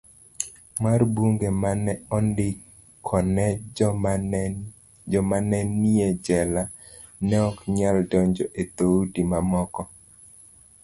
mar Buge ma ne ondikone jomane nie jela neoknyal donjo e dhoudi mamoko.